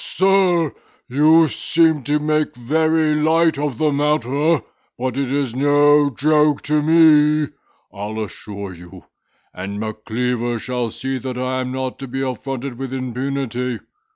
sir, you seem to make very light of the matter, but it is no joke to me, I'll assure you, and Macleaver shall see that I am not to be affronted with impunity.